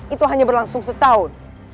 itu hanya berlangsung setahun